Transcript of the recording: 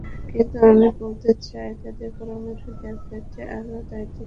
কিন্তু আমি বলতে চাই তাদের পরামর্শ দেওয়ার ক্ষেত্রে আরও দায়িত্বশীল হতে হবে।